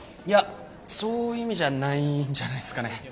いやそういう意味じゃないんじゃないすかね。